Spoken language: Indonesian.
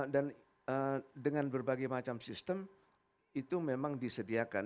dan dengan berbagai macam sistem itu memang disediakan